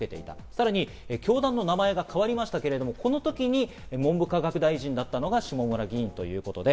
さらに教団の名前が変わりましたけど、この時に文部科学大臣だったのが下村議員。